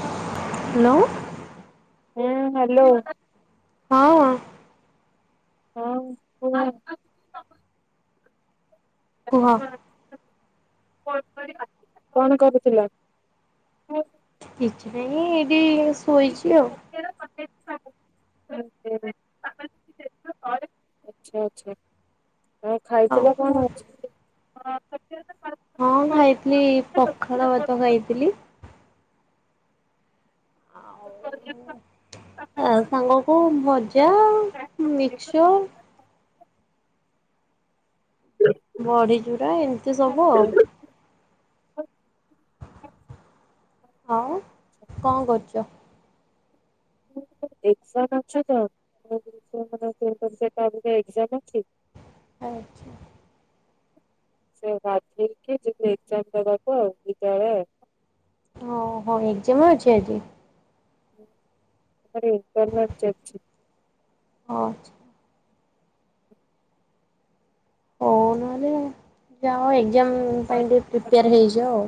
ହ [inaudible] ହ୍ୟାଲୋ। ହୁଁ ହ୍ୟାଲୋ। ହଁ ହଁ, ହଁ ହ [inaudible] କୁହ? କଣ କରିବା, କଣ କରୁଥିଲ? କିଛି ନାହିଁ ଏଇଟି ଆଛା ଆଛା। [inaudible] ହଁ ହଉ ଖାଇଥିଲା କଣ? ହଁ [inaudible] ହଁ ଖାଇଥିଲି ପଖାଳ ଭାତ ଖାଇଥିଲି। [inaudible] ଆ ସାଙ୍ଗକୁ ଭଜା ମିକ୍ସର। ବଢି ଚୁରା ଏମିତି ସବୁ ଆଉ। [inaudible] ଆଉ କଣ କରୁଛ? ଏକ୍ସାମ୍ ଅଛି ତ। ଆଛା। ସେ ଗାଧେଇକି ଯିବେ ଏକଜାମ୍ ଦେବାକୁ ଆଉ ଦିଇଟାବେଳେ ଆଉ। ଓ ହୋ ଏଗଜାମ୍ ଅଛି ଆ ଆରେ କଲର ଚାଲଛି। ହଉ ଆଛା। ହଉ ନହଲେ ଯାଅ ଏ ଏଗଜାମ୍ ପାଇଁ ଟିକେ ତାପରେ ପ୍ରିପେୟାର ହେଇଯାଓ ଆଉ।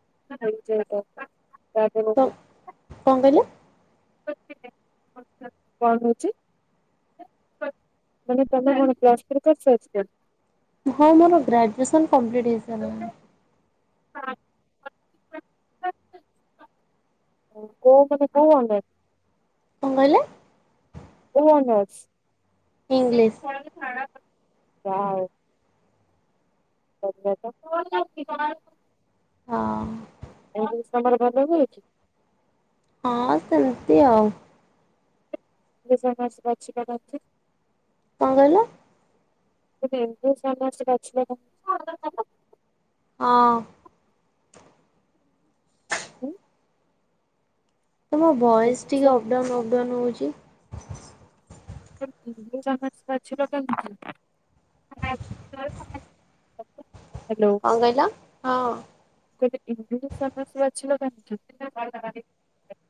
[unintelligible] ତ କଣ କହିଲେ? [unintelligible] ହଁ ମୋର ଗ୍ରାଜୁଏସନ୍ କମ୍ପ୍ଲିଟ୍ ହେଇସାରିଲାନି। [unintelligible] କୋଉ ମାନେ କୋଉ। କଣ କହିଲେ? କୋ ଅର୍ନସ? ଇଂଲିଶ। ଯା ହଉ। [inaudible] କଁ କହୁଚୁ? ହଁ। ତମର ଭଦ୍ରକ ଏଇଟି? ହଁ ସେମିତି ଆଉ। ବା ସେ ବାଛିନ୍ତି [inaudible] କଣ କହିଲ? [unintelligible] ହଁ। ହୁଁ। ତମ ଭଏସ୍ ଇଂଲିଶ ଟିକେ ଅପଡାଉନ ଅପଡାଉନ ହଉଛି। [unintelligible] [unintelligible] କଣ କହିଲ? ହଁ। [unintelligible]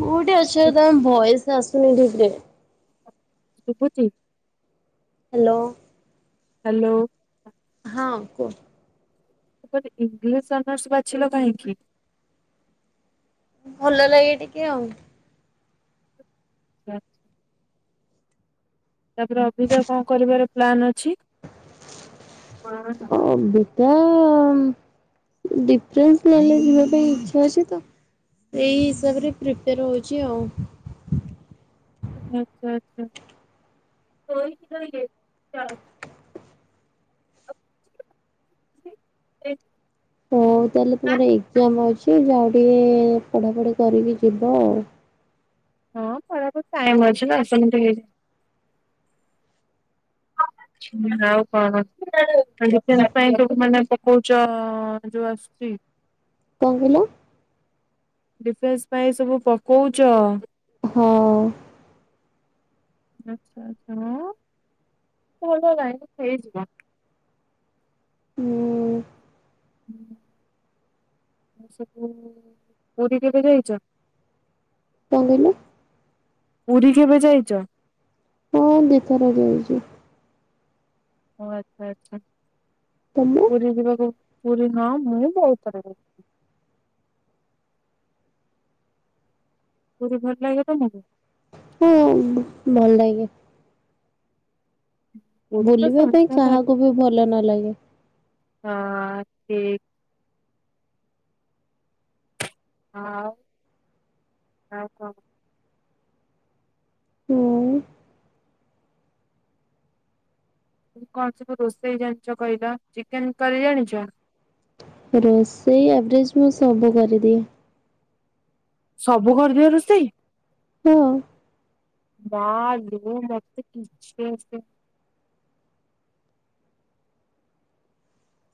କୋଉଠି ଅଛ ତମ ଭୟସ ଆସୁନି ଠିକରେ ଶୁଭୁଚି? ହାଲୋ। ହାଲୋ। ହଁ କୁହ। ମୁଁ କହିଲି ଇଂଲିଶ ଅନର୍ସ ବାଛିଲ କାହିଁକି? ଭଲ ଲାଗେ ଟିକେ ଆଉ। ଆଛା। ତାପରେ ଅବିଗା କଣ କରିବାର ପ୍ଲାନ୍ ଅଛି? [unintelligible] ଶୁଣାଗଲା? ତ ଡିଫେନ୍ସ ଲାଇନରେ ଯିବା ପାଇଁ ଇଚ୍ଛା ଅଛି ତ ସେଇ ହିସାବରେ ପ୍ରିପେୟାର ହେଉଛି ଆଉ। ଆଚ୍ଛା ଆଚ୍ଛା [unintelligible] ହଉ [unintelligible] ତାହେଲେ ତମର ଏକ୍ସାମ୍ ଅଛି ଯାଅ ଟିକେ ପଢାପଢି କରିକି ଯିବ ଆଉ। ହଁ ପଢ଼ାପଢ଼ି ଟାଇମ ଅଛି ନା ସେମିତି ଆଉ କଣ ଡିଫେନ୍ସ ପାଇଁ ମାନେ ପକଉଛ ଯୋଉ ଆସୁଛି? କଣ କହିଲ? ଡିଫେନ୍ସ ପାଇଁ ସବୁ ପକଉଛ? ହଁ। ଆଚ୍ଛା ଆଚ୍ଛା ହଁ ଭଲ ଲାଇନ ହେଇଯିବ। ହୁଁ। ହୁଁ [unintelligible] ପୁରୀ କେବେ ଯାଇଛ? କଣ କହିଲ? ପୁରୀ କେବେ ଯାଇଛ? ହଁ ଦିଥର ଯାଇଛି। ଓ ଆଚ୍ଛା ଆଚ୍ଛା। ତମୁ ପୁରୀ ଯିବାକୁ ପୁରୀ ହଁ ମୁଁ ବହୁଥର ଯାଇଛି। ପୁରୀ ଭଲ ଲାଗେ ତମକୁ? ହଁ ଭଲ ଲାଗେ। ପୁରୀ ତ ବୁଲିବା ପାଇଁ ସମସ୍ତଙ୍କୁ ଭଲ କାହାକୁ ବି ଭଲ ନ ଲାଗେ। ହଁ ଠିକ୍ ହଁ। ଆଉ ଆଉ କଣ? ହୁଁ କଣ ସବୁ ରୋଷେଇ ଜାଣିଛ କହିଲ ଚିକେନ କରି ଜାଣିଛ? ରୋଷେଇ ଏଭରେଜ ମୁଁ ସବୁ କରିଦିଏ। ସବୁ କରିଦିଅ ରୋଷେଇ। ହଁ। ମା ଲୁ ମତେ କିଛେ ସେ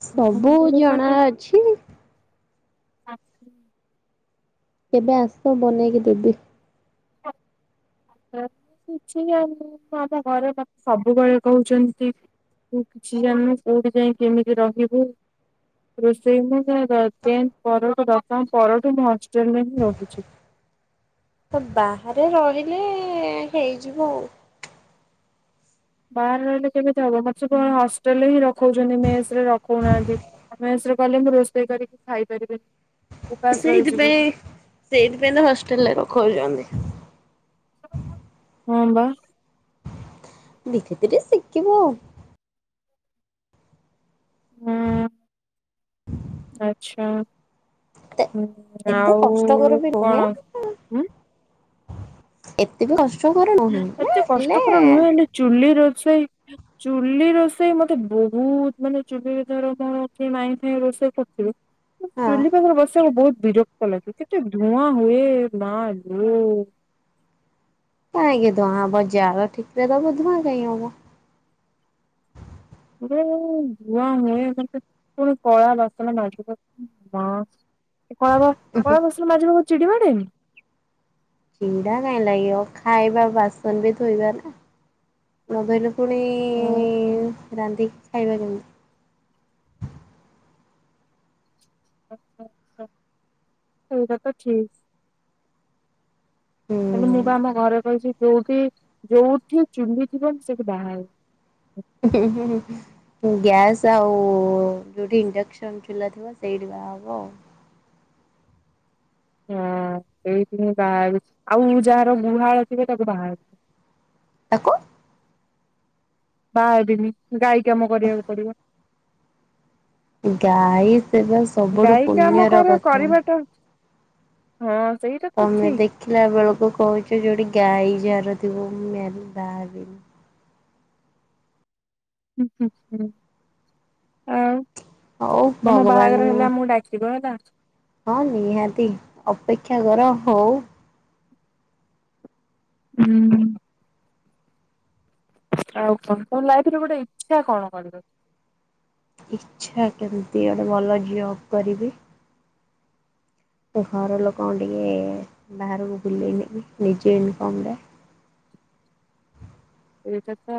ସବୁ ମୁଁ ଜଣା ଅଛି। ଆ କେବେ ଆସ ବନେଇକି ଦେବି। ମୁ କିଛି ଜାଣିନି ଆମ ଘର ବାପା ସବୁବେଳେ କହୁଛନ୍ତି ତୁ କିଛି ଜାଣିନୁ କୋଉଠି ଯାଇ କେମିତି ରହିବୁ ରୋଷେଇ ମୁ ଟେଣ୍ଠ ପରଠୁ ଦଶମ ପରଠୁ ମୁଁ ହଷ୍ଟେଲରେ ହିଁ ରହୁଛି। ତ ବାହାରେ ରହିଲେ ହେଇଯିବ ଆଉ। ବାହାରେ ରହିଲେ କେମିତି ହବ ମୋତ ସବୁ ହଷ୍ଟେଲରେ ହିଁ ରଖଉଛନ୍ତି ମେସ ରେ ରଖଉନାହାନ୍ତି ମେସ ରେ କଲେ ମୁଁ ରୋଷେଇ କରିକି ଖାଇପାରିବି। ସେଇଥିପାଇଁ ସେଇଥିପାଇଁ ତ ହଷ୍ଟେଲରେ ରଖଉଛନ୍ତି। ହଁ ବା। ଧିରେ ଧିରେ ଶିଖିବ ଆଉ। ହୁଁ ଆଚ୍ଛା। ଏତେ ହୁଁ ଏତେ କଷ୍ଟକର ଆଉ ବି ନୁହେଁ। କଣ ହ। ଏତେ ବି କଷ୍ଟ ଏତେ କଷ୍ଟକର ନୁହେଁ ହେଲେ ଚୁଲି ର ରୋଷେଇ ଚୁଲି ରୋଷେଇ ମତେ ବହୁତ ମାନେ ଚୁଲିରେ ଧର କଣକି ମାଇଁ ଫାଇଁ ରୋଷେଇ କରୁଥିବେ। ହଁ ଚୁଲି ପାଖରେ ବସିବାକୁ ବହୁତ ବିରକ୍ତ ଲାଗେ କିନ୍ତୁ ଧୁଆଁ ହୁଏ ମା ଲୋ। କହିଁକି ଧୁଆଁ ହବ ଜାଳ ଠିକରେଦବ ଧୁଆଁ କାଇଁ ହବ ମୁ ଧୂଆଁ ହୁଏ ପୂଣି କଳା ବାସନ ମାଯିବା କଳାଵା କଳା ବାସନ ମାଯିବାକୁ। ଚିଡ଼ି ମାଡ଼େନି। ଚିଡ଼ା କାଇଁ ଲାଗିବ ଖାଇବା ବାସନ ବି ଧୋଇବା ନା। ମଭାଇରୁ ପୁଣି ରାଧି ଖାଇବା ଦଛନ୍ତି। ସେଇଟା ତ ଠିକ ହୁଁ। ହେଲେ ମୁଁ ତ ଆମ ଘରେ କଛି ଯୋଉଠି ଯୋଉଠି ଚୁଲିିଥିବ ସେଠି ବାହାହେବିନି ଗ୍ୟାସ୍ ଆଉ ଯଉଠି ଇଣ୍ଡକସନ ଚୁଲା ଥିବ ସେଇଠି ବାହାହବ ଆଉ ହଁ ସେଇଥଠି ହିଁ ବାହାହେବି ଆଉ ଯାହାର ଗୁହାଳ ଥିବ ତାକୁ ବାହାହେବିନି। ଆ କ ବାହ ହେବିନି। ଗାଈ କାମ କରିବାକୁ ପଡିବ। ଗାଈ ସେବା ସବୁଠୁ ଗାଈ କାମ ପୁଣ୍ୟ ର କର କଥା କରିବାଟା ହଁ। ସେଇଟା ତ ତମେ ଠିକ ଦେଖିଲା ବେଳକୁ କହୁଛ ଯୋଉଠି ଗାଈ ଜ ର ଥିବ ମୁମ୍ୟାରେବାହା ହେବିନି। ହଁ ହଁ ହଁ ଆଉ ହଉ ନମ ଭଗବାନ ବାହାଘର ହେଲା ଆମଡାତିବ ହେଲା। ହଁ ନିହାତି ଅପେକ୍ଷା କର ହଉ ହୁଁ। ଆଉ କଣ ତମ ଲାଇଫରେ ଗୋଟେ ଇଛା କଣ କରିବ? ଇଛା କେମିତି ଗୋଟେ ଭଲ ଜବ କରିବି। ଘର ଲୋକଣ ଟିକେ ବାହାରକୁକୁ ଭଲେଇନଜ ନିଜେ ଇନକମ୍ ରେ ଏଇଟା ତ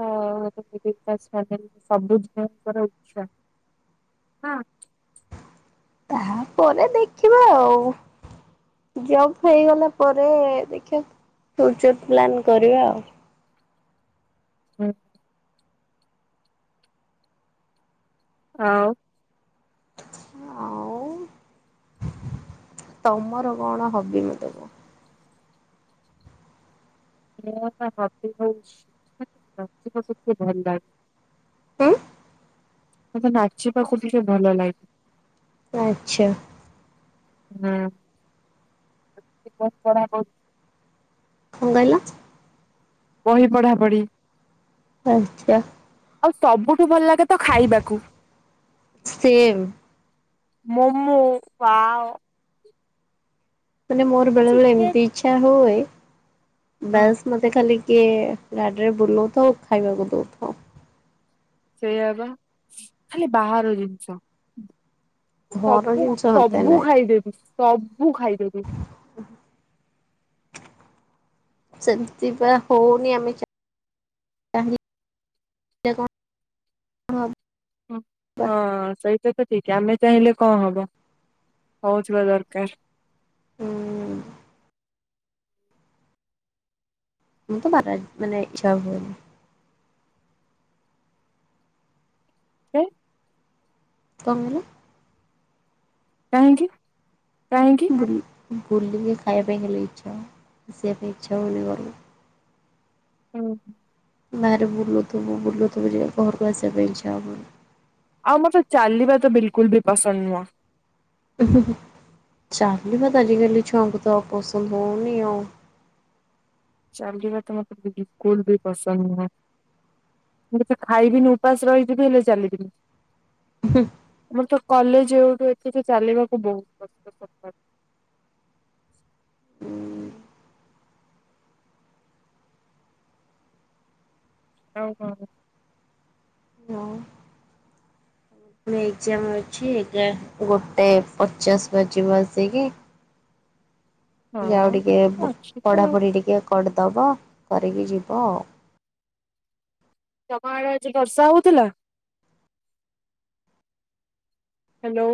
ସୁବୁ ଝିଅଙ୍କର ଉଛା ନା। ତାପରେ ଦେଖିବା ଆଉ ଜବ ହେଇଗଲା ପରେ ଦେଖିବା ଫୁଚର ପ୍ଲାନ୍ କରିବା ଆଉ ହଁ। ହ। ଆଉ ତମର କଣ ହବି ମତେ କୁହ। ହବି ହଉଛି [unintelligible] ଭଲ ଲାଗେ। ହଁ। ମୋତେ ନାଚିବାକୁ ଟିକେ ଭଲ ଲାଗେ। ଆଚ୍ଛା। ହୁଁ ବତ। [unintelligible] କ କହିଲ? ବହି ପଢ଼ା ପଢ଼ି ଆଛା। ଆଉ ସବୁ ଠୁ ଭଲ ଲାଗେ ତ ଖାଇବାକୁ। Same momo wow. ମାନେ ମୋର ବେଳେ ବେଳେ ଚିକେନ ଏମିତି ଇଚ୍ଛା ହୁଏ। ହଁ ବସ୍ ମତେ ଖାଲି କିଏ ଗାଡ଼ିରେ ବୁଲଉଥାଉ ଖାଇବାକୁ ଦଉଥାଉ ସେଇଆ ବା ଖାଲି ବାହାର ଜିନିଷ ଘର ସବୁ ଜିନିଷ ମତେ ସବୁ ନାହିଁ ଖାଇଦେବି ସବ ବୁ ଖାଇଦେବୀ ସେମିତି ବା ହଉନି ଆମେ କଣ ହବା। ହଁ ସେଇ ତ ଠିକ ଆମେ ଚାହିଁଲେ କଣ ହବ ହଉଥିବା ଦରକାର ହୁଁ ମତ ବ ମାନେ ଚ୍ଛା ହୁନ ହ କଣ କଲ କାହିଁକି କାହିଁକି ଭୁଲିକି ଖାଇବା ପାଇଁ ହେଲେ ଇଚ୍ଛା ଆସିବା ପାଇଁ ଇଚ୍ଛା ହଉନି କରକୁ ହୁଁ ହାରେ ବୁଲୁ ତୁବୁ ବୁଲୁ ଥୀବୁ ଘର କସ ବ ଛାମନି ଆଉ ମୋତେ ଚାଲିବା ତ ବିଲକୁଲ ବି ପସନ୍ଦ ନୁହଁ। ଚାଲିବା ତ ଆଜିକାଲି ଛୁଆଙ୍କୁ ଜମା ପସନ୍ଦ ହଉନିି ଆଉ। ଚାଲିବା ତ ମତେ ବିଲକୁଲ ବି ପସନ୍ଦ ନୁହଁ ମୁଁ ଖାଇବିନି ଉପାସ ରହିଥିବି ହେଲେ ଚାଲିବିନି। ମୁଁ ତ। କଲେଜ ଯୋଠୁ ଏଥିରେି ଚାଲିବାକୁ ବହୁତ କଷ୍ଟ। ହଉ ହଉ। ଏକ୍‌ଜାମ୍ ଅଛି ଗୋଟେ ପଚାଶ ବାଜିବ ଆସିକି। ଆଉ ଟିକେ ହଁ ଅଛି ତ ଆଉ। ପଢା଼ପଢି଼ ଟିକେ କର୍- ଦେବ କରିକି ଯିବ ଆଉ। ତମ ଆଡେ ଆଜି ବର୍ଷା ହଉଥିଲା। ହ୍ୟାଲୋ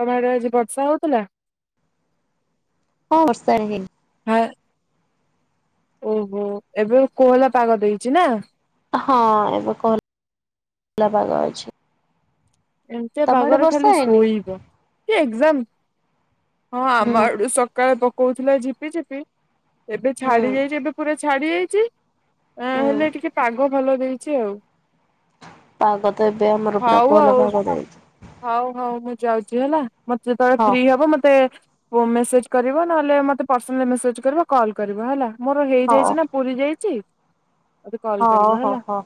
ତମ ଆଡେ ଆଜି ବର୍ଷା ହଉଥିଲା। ହଁ ବର୍ଷାରେ ହେଇଛି। [inaudible] ଓହୋ ଏବେ କୋହଲା ପାଗ ଦେଇଛି ନା। ହଁ ଏବେ କୋହଲା ଭାଗ ଅଛି। ଏମତିକା ତମ ଆଡେ ପାଗରେ ବର୍ଷା ଖାଲି ହେଇନି? ଶୋଇବୁ କି ହଁ ହୁଁ ଆମ ଆଠୁ ସକାଳେ- କହୁଥିଲା ଯିବି ଯିବି। ଏବେ ଛାଡି ହୁଁ। ଯାଇଛି ଏବେ ପୁରା- ଛାଡି ଯାଇଚି। ଆ ହୁଁ ହେଲେ ଟିକେ ପାଗ ପାଗ ଭଲ ଦେଇଛି ଆଉ। ପାଗ ତ ଏବେ ଆମର ପୁରା ହଉ କୋହଲା ଆଉ ପାଗ ଦେଇଛି। ହଉ ହଉ ମୁଁ ଯାଉଛି ହେଲା। ମତେ ଯେତେବେଳେ ହଁ ଫ୍ରି ହବ ମତେ ପୋ ମେସେଜ କରିବ ନହେଲେ ମତେ ପର୍ସନାଲ୍ ମେସେଜ କରିବ କଲ୍ କରିବ ହେଲା। ମୋର ହଁ ହେଇଯାଇଛି ନା ପୁରି ଯାଇ ଚି ମତେ କଲ୍ ହଁ କରିିବ ହଁ ହେଲା। ହଁ।